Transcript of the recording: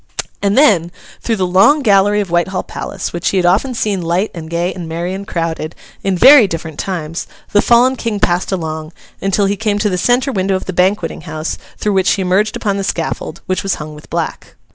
And then, through the long gallery of Whitehall Palace, which he had often seen light and gay and merry and crowded, in very different times, the fallen King passed along, until he came to the centre window of the Banqueting House, through which he emerged upon the scaffold, which was hung with black.